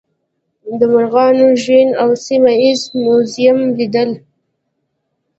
د مرغانو ژوبڼ او سیمه ییز موزیم لیدل.